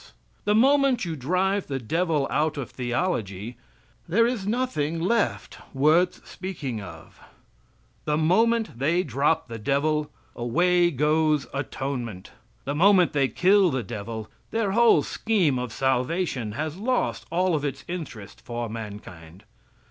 The moment you drive the devil out of theology, there is nothing left worth speaking of. The moment they drop the devil, away goes atonement. The moment they kill the devil, their whole scheme of salvation has lost all of its interest for mankind.